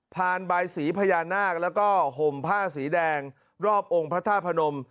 ผ่านใบสีพญานาคและก็ห่มผ้าสีแดงรอบองค์พระท่าพนม